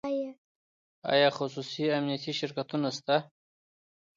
آیا خصوصي امنیتي شرکتونه شته؟